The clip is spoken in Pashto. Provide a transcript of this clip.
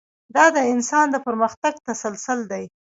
دا د انسان د پرمختګ تسلسل دی.